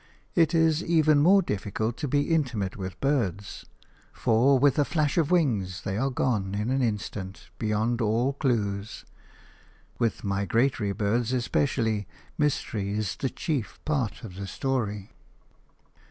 It is even more difficult to be intimate with birds, for with a flash of wings they are gone in an instant beyond all clues. With migratory birds especially, mystery is the chief part of the story.